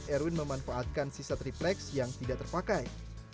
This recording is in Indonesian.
erwin memanfaatkan sisa triplex yang tidak terpakai